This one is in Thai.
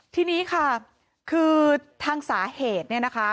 ทีนี้ค่ะคือทางสาเหตุเนี่ยนะคะ